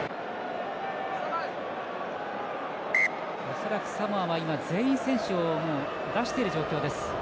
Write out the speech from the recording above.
恐らくサモアは全員、選手を出している状況です。